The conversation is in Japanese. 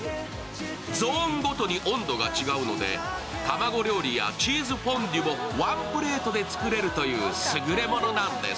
ゾーンごとに温度が違うので卵料理やチーズフォンデュもワンプレートで作れるという優れものなんです。